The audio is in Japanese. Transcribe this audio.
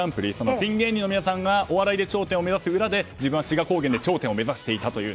ピン芸人の皆さんがお笑いで頂点を目指す裏で自分は志賀高原で頂点を目指していたと。